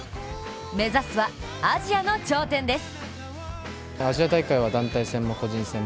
目指すは、アジアの頂点です！